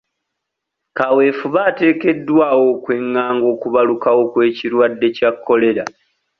Kaweefube ateekeddwawo okwengaanga okubalukawo kw'ekirwadde kya Kolera.